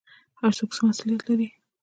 هر څوک څه مسوولیت لري؟